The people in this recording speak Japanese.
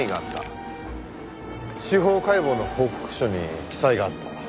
司法解剖の報告書に記載があった。